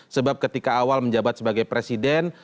sebab ketika awal menjabat sebagai presiden